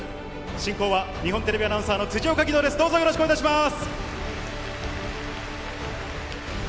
進行は日本テレビアナウンサーの辻岡義堂です。